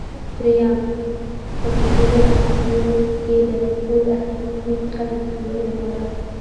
درېیم: په کورونو او هټیو کې له اور اخیستنې څخه د مخنیوي لپاره؟